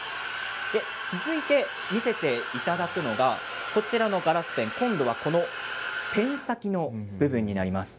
続いて、見せていただくのがこちらのガラスペンペン先の部分になります。